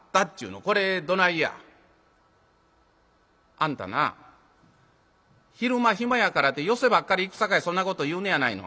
「あんたな昼間暇やからて寄席ばっかり行くさかいそんなこと言うのやないの。